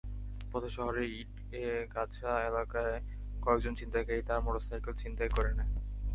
পথে শহরের ইটেগাছা এলাকায় কয়েকজন ছিনতাইকারী তাঁর মোটরসাইকেল ছিনতাই করে নেয়।